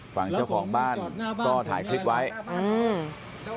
ฝั่งเจ้าของบ้านก็ถ่ายคลิปไว้อืม